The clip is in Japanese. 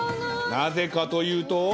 なぜかというと。